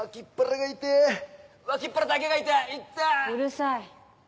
うるさい。